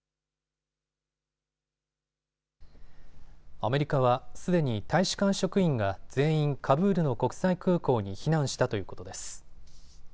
アメリカはすでに大使館職員が全員カブールの国際空港に避難したということです。